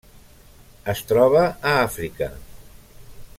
Es troba a Àfrica.